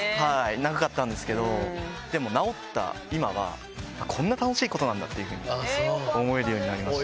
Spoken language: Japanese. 長かったんですけど、でも治った今は、こんな楽しいことなんだっていうふうに思えるようになりました。